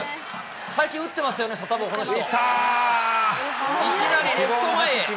最近打ってますよね、サタボー、この人。